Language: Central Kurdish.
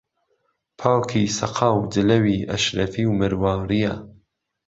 پاکی سهقا و جلەوی ئهشرهفی و مروارییه